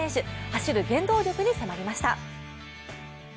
走る原動力に迫りました。